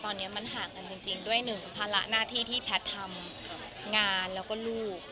ตอนนี้มันห่างกันจริงด้วยหนึ่งภาระหน้าที่ที่แพทย์ทำงานแล้วก็ลูก